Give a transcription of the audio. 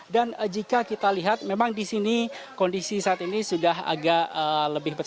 dan jika kita lihat memang di sini kondisi saat ini sudah agak lebih bersih